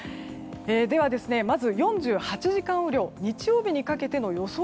では、４８時間雨量日曜日にかけての予想